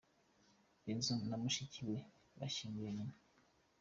Benzo na mushiki we bashyingura nyina.